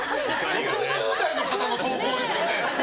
６０代の方の投稿ですよね。